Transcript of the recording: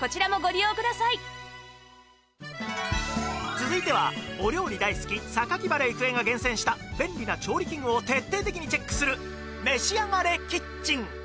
続いてはお料理大好き榊原郁恵が厳選した便利な調理器具を徹底的にチェックするめしあがれキッチン